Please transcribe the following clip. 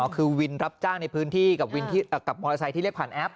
คือวินรับจ้างในพื้นที่กับมอเตอร์ไซค์ที่เรียกผ่านแอป